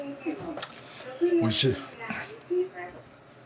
おいしい。